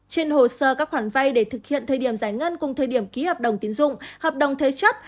trên hồ sơ các khoản vay để thực hiện thời điểm giải ngân cùng thời điểm ký hợp đồng tiến dụng hợp đồng thế chấp